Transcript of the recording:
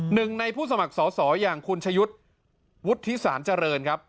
หนึ่งในผู้สมัครสอสออย่างคุณชยุทธ์วุฒิสารเจริญครับ